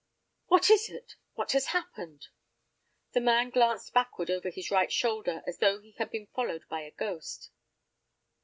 "What is it—what has happened?" The man glanced backward over his right shoulder as though he had been followed by a ghost.